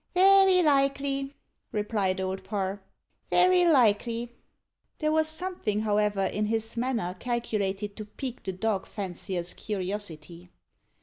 "Very likely," replied Old Parr "very likely." There was something, however, in his manner calculated to pique the dog fancier's curiosity.